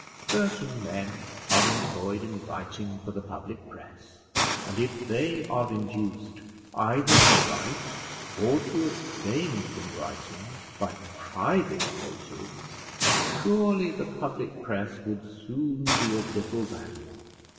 Certain men are employed in writing for the public press; and if they are induced either to write or to abstain from writing by private motives, surely the public press would soon be of little value.